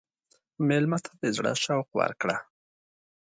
مېلمه ته د زړه شوق ورکړه.